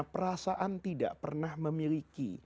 perasaan tidak pernah memiliki